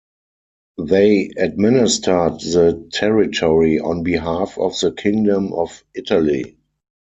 They administered the territory on behalf of the Kingdom of Italy.